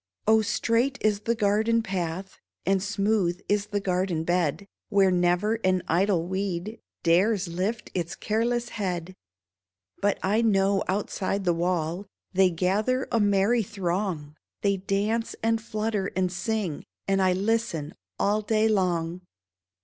Oh, straight is the garden path. And smooth is the garden bed, Where never an idle weed Dares lift its careless head. But I know outside the wall They gather, a merry throng ; They dance and flutter and sing, And I listen all day long.